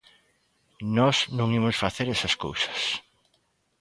Nós non imos facer esas cousas.